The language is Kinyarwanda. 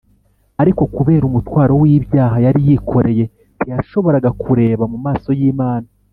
ariko kubera umutwaro w’ibyaha yari yikoreye, ntiyashoboraga kureba mu maso y’imana